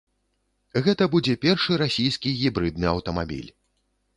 Гэта будзе першы расійскі гібрыдны аўтамабіль.